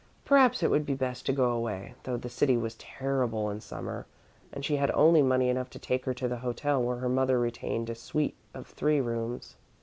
Perhaps it would be best to go away, though the city was terrible in Summer, and she had only money enough to take her to the hotel where her mother retained a suite of three rooms.